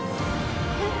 えっ？